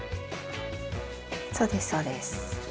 そうですそうです。